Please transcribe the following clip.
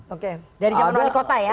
oke dari zaman wali kota ya